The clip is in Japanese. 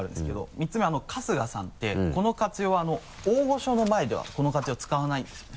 ３つ目は春日さんってこの活用は大御所の前ではこの活用使わないんですよね。